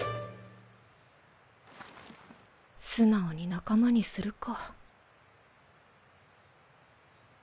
素直に仲間にするか。